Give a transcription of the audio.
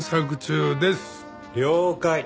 了解。